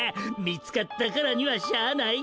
見つかったからにはしゃあない。